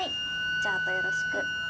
じゃああとよろしく。